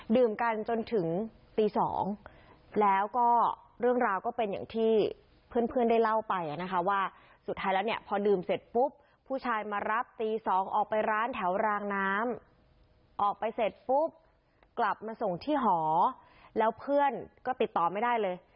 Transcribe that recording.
ดื่มกันจนถึงตี๒แล้วก็เรื่องราวก็เป็นอย่างที่เพื่อนได้เล่าไปนะคะว่าสุดท้ายแล้วเนี่ยพอดื่มเสร็จปุ๊บผู้ชายมารับตี๒ออกไปร้านแถวรางน้ำออกไปเสร็จปุ๊บกลับมาส่งที่หอแล้วเพื่อนก็ติดต่อไม่ได้เลย